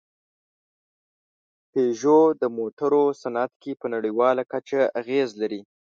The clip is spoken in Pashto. پيژو د موټرو صنعت کې په نړۍواله کچه اغېز لري.